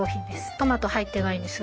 トマト入ってないんですよ。